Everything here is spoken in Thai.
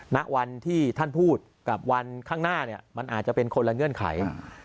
ณวันที่ท่านพูดกับวันข้างหน้าเนี่ยมันอาจจะเป็นคนละเงื่อนไข